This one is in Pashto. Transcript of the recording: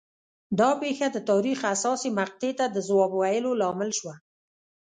دا پېښه د تاریخ حساسې مقطعې ته د ځواب ویلو لامل شوه